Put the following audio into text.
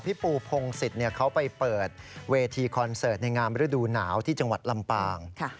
พี่ปูพงศิษย์เขาไปเปิดเวทีคอนเสิร์ตในงามฤดูหนาวที่จังหวัดลำปาง